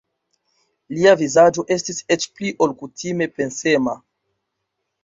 Lia vizaĝo estis eĉ pli ol kutime pensema.